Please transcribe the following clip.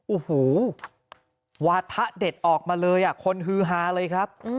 โอ้โหวาถะเด็ดออกมาเลยคนฮือฮาเลยครับ